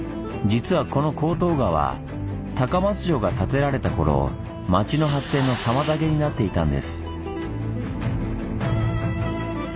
実はこの香東川高松城が建てられた頃町の発展の妨げになっていたんです。